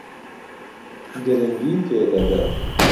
گرنگی پێ دەدەم.